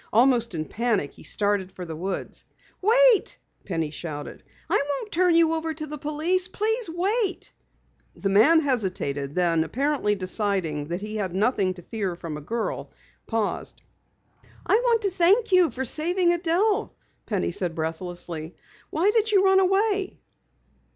Almost in panic he started for the woods. "Wait!" Penny shouted. "I won't turn you over to the police! Please wait!" The man hesitated, and then apparently deciding that he had nothing to fear from a girl, paused. "I want to thank you for saving Adelle," Penny said breathlessly. "Why did you run away?"